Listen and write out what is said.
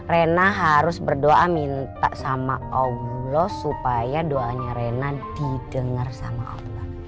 rena harus berdoa minta sama allah supaya doanya rena didengar sama allah